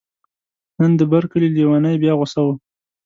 نن د بر کلي لیونی بیا غوصه و.